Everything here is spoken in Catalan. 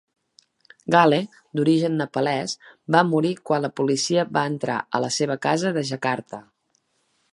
Ghale, d'origen Nepalès, va morir quan la policia va entrar a la seva casa de Jakarta.